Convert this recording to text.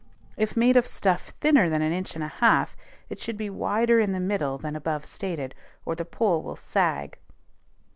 If made of stuff thinner than an inch and a half, it should be wider in the middle than above stated, or the pole will sag.